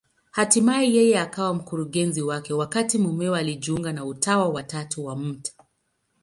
Hatimaye yeye akawa mkurugenzi wake, wakati mumewe alijiunga na Utawa wa Tatu wa Mt.